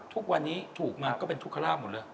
ทุกวันนี้ถูกมาก็เป็นทุกขลาบหมดเลย